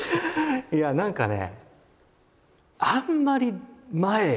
いや何かね